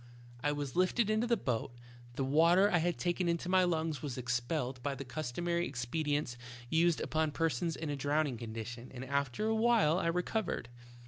"I was lifted into the boat, the water I had taken into my lungs was expelled by the custom ary expedients used upon persons in a drowning condition, and after a while I recovered.